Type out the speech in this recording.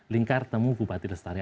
lingkar temu bupati lestari